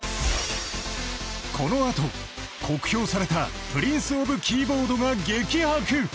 このあと酷評されたプリンス・オブ・キーボードが激白！